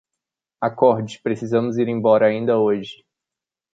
Acorde, precisamos ir embora ainda hoje